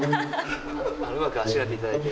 うまくあしらっていただいて。